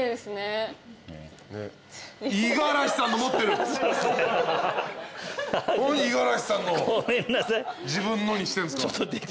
何五十嵐さんのを自分のにしてんすか。